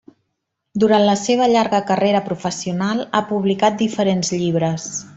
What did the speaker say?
Durant la seva llarga carrera professional ha publicat diferents llibres.